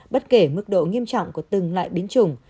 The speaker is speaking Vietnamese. bất kể mức độ nghiêm trọng của từng loại biến chủng